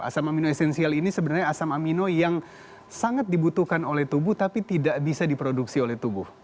asam amino esensial ini sebenarnya asam amino yang sangat dibutuhkan oleh tubuh tapi tidak bisa diproduksi oleh tubuh